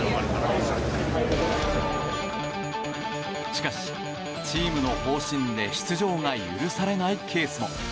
しかしチームの方針で出場が許されないケースも。